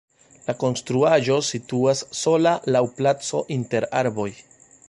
La konstruaĵo situas sola laŭ placo inter arboj.